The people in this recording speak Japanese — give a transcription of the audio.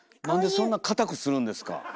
なんでそんな堅くするんですか。